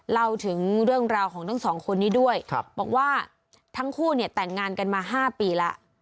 เล่าถึงเรื่องราวของทั้งสองคนนี้ด้วยบอกว่าทั้งคู่เนี่ยแต่งงานกันมา๕ปีแล้ว